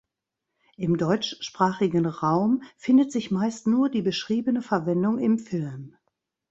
Im deutschsprachigen Raum findet sich meist nur die beschriebene Verwendung im Film.